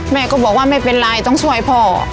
แม่ก็บอกว่าไม่เป็นไรต้องช่วยพ่อ